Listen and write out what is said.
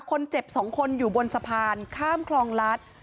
คนเจ็บ๒คนอยู่บนสะพานข้ามคลองรัฐ